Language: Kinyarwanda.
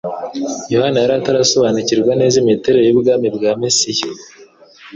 Yohana yari atarasobanukirwa neza imiterere y'ubwami bwa Mesiya.